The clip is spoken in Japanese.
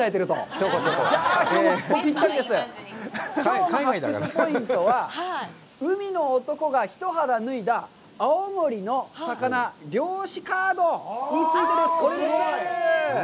きょうの発掘ポイントは、海の男が一肌脱いだ、あおもりの肴漁師カードについてです。